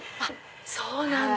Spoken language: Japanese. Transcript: そうなんだ。